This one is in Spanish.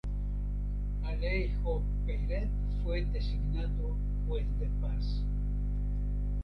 Alejo Peyret fue designado juez de paz.